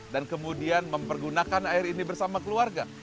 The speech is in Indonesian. dan kemudian mempergunakan air ini bersama keluarga